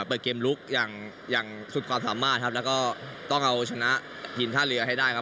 เปิดเกมลุกอย่างอย่างสุดความสามารถครับแล้วก็ต้องเอาชนะทีมท่าเรือให้ได้ครับ